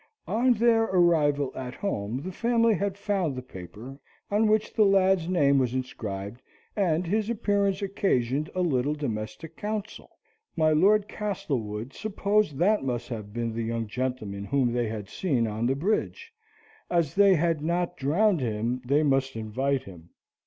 On their arrival at home the family had found the paper on which the lad's name was inscribed, and his appearance occasioned a little domestic council. My Lord Castlewood supposed that must have been the young gentleman whom they had seen on the bridge, and as they had not drowned him they must invite him.